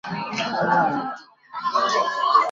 蒙特勒伊地区希勒人口变化图示